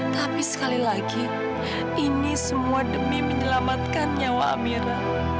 tapi sekali lagi ini semua demi menyelamatkan nyawa amir